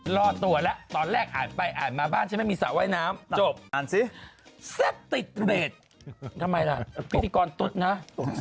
รอดตัวแล้วตอนแรกอ่านไปอ่านมาบ้านฉันไม่มีสระว่ายน้ำจบอ่านซิแซ่บติดเรททำไมล่ะพิธีกรตุ๊ดนะ